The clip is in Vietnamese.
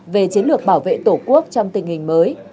về chiến lược bảo vệ tổ quốc trong tình hình mới